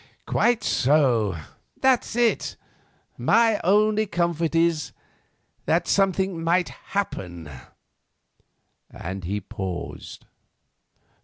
"Quite so. That's it. My only comfort is—that something might happen," and he paused.